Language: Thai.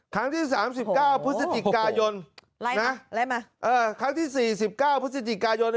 ครั้งที่๓๙พฤศจิกายนครั้งที่๔๙พฤศจิกายน